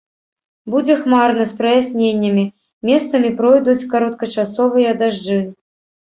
Будзе хмарна з праясненнямі, месцамі пройдуць кароткачасовыя дажджы.